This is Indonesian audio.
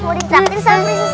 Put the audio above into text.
mau ditraktir sama sama